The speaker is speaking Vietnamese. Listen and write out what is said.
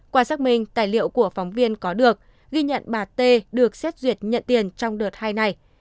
qua xác minh tài liệu của phóng viên có được ghi nhận bà t được xét duyệt nhận tiền trong đợt hai này